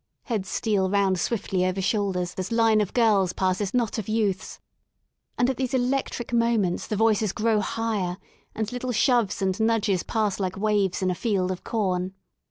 Heads steal round swiftly over shoulders as line of girls passes knot of youths, and at these electric moments the voices grow higher and little shoves and nudges pass like waves in a field of corn.